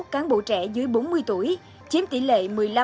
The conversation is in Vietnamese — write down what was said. hai mươi một cán bộ trẻ dưới bốn mươi tuổi chiếm tỷ lệ một mươi năm hai mươi hai